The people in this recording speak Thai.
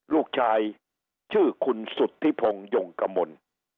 ลูกชายชื่อคุณสุธิพงศ์ยงกมล